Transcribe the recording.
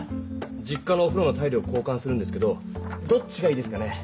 実家のおふろのタイルを交かんするんですけどどっちがいいですかね？